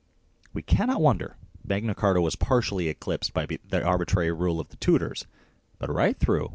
We cannot wonder Magna Carta was partially eclipsed by the arbitrary rule of the Tudors, but right through 8o MAGNA CART A, C.